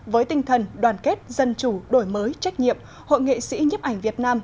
với tinh thần đoàn kết dân chủ đổi mới trách nhiệm hội nghệ sĩ nhấp ảnh việt nam